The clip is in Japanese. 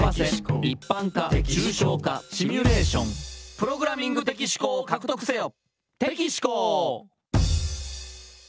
「プログラミング的思考を獲得せよ！」